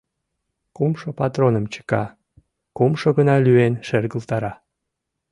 Кумшо патроным чыка — кумшо гана лӱен шергылтара.